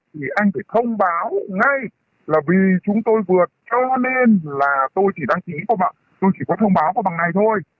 thì anh phải thông báo ngay là vì chúng tôi vượt cho nên là tôi chỉ đăng ký tôi chỉ có thông báo bằng ngày thôi